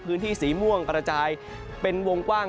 พื้นที่สีม่วงกระจายเป็นวงกว้าง